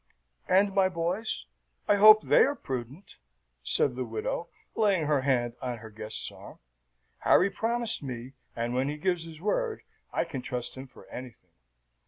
"And my boys? I hope they are prudent?" said the widow, laying her hand on her guest's arm. "Harry promised me, and when he gives his word, I can trust him for anything.